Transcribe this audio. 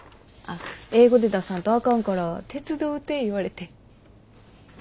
あっ英語で出さんとあかんから手伝うて言われて。